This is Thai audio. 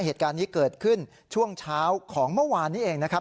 เหตุการณ์นี้เกิดขึ้นช่วงเช้าของเมื่อวานนี้เองนะครับ